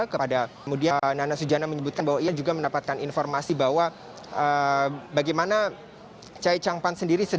kepada kemudian nana sujana menyebutkan bahwa ia juga mendapatkan informasi bahwa bagaimana chai chang pan sendiri